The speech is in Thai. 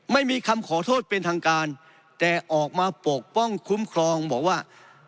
ไม่มีคำขอโทษเป็นทางการแต่ออกมาปกป้องคุ้มครองบอกว่า